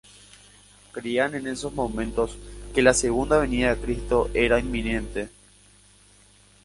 Creían en esos momentos que la segunda venida de Cristo era inminente.